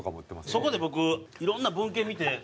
そこで僕いろんな文献見て。